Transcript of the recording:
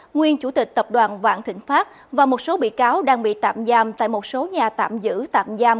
nguyên chủ tịch tập đoàn vạn thịnh pháp và một số bị cáo đang bị tạm giam tại một số nhà tạm giữ tạm giam